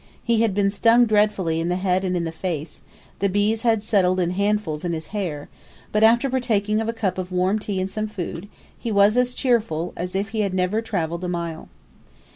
He had been stung dreadfully in the head and in the face; the bees had settled in handfuls in his hair; but, after partaking of a cup of warm tea and some food, he was as cheerful as if he had never travelled a mile.